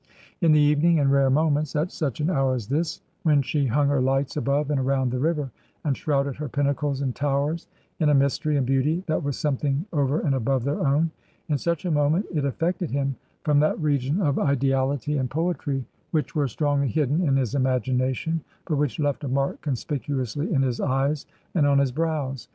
In the evening, in rare moments, at such an hour as this, when she hung her lights above and around the river, and shrouded her pinnacles and towers in a mystery and beauty that was something over and above their own — in such a moment it affected him from that region of Ideality and Poetry which were strongly hidden in his imagination, but which left a mark conspicuously in his eyes and on his brows.